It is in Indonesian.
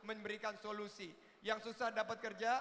kita harus memberikan solusi yang susah dapat kerja